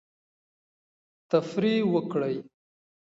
تفریح وکړئ.